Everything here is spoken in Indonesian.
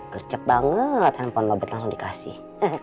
gercep banget handphone robert langsung dikasih